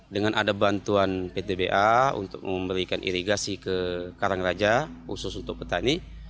dengan ada bantuan ptba untuk memberikan irigasi ke karangraja khusus untuk petani